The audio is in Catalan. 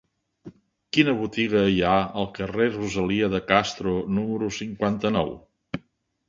Quina botiga hi ha al carrer de Rosalía de Castro número cinquanta-nou?